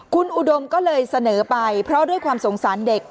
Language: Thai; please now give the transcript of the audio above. คุณอุดมก็เลยเสนอไปเพราะด้วยความสงสารเด็ก